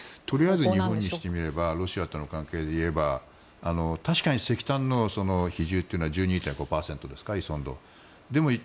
とりあえず日本にしてみればロシアとの関係で言えば確かに石炭の比重というのは１２．５％ですか、依存度。